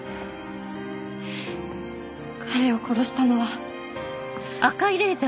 彼を殺したのは。